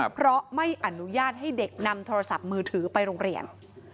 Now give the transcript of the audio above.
เพราะไม่อนุญาตให้เด็กนำโทรศัพท์มือถือไปโรงเรียน